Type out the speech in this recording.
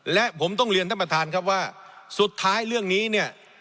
และผมต้องเรียนท่านประธานครับว่าสุดท้ายเรื่องนี้เนี่ย